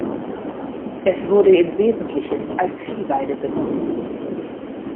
Es wurde im Wesentlichen als Viehweide benutzt.